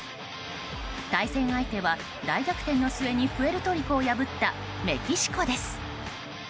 対戦相手は大逆転の末にプエルトリコを破ったメキシコです。